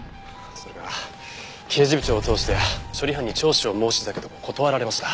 それが刑事部長を通して処理班に聴取を申し出たけど断られました。